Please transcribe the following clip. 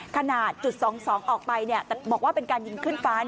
ขนาดจุด๒๒ออกไปบอกว่าเป็นการยิงขึ้นฟ้า